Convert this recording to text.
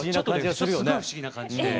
すごい不思議な感じで。